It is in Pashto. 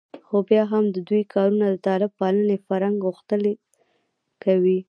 خو بیا هم د دوی کارونه د طالب پالنې فرهنګ غښتلی کوي